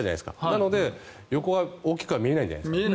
なので横は大きくは見えないんじゃないですか。